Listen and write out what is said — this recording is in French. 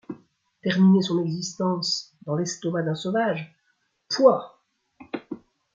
Terminer son existence dans l’estomac d’un sauvage, pouah !